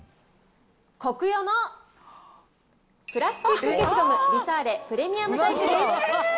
コクヨのプラスチック消しゴムリサーレプレミアムタイプです。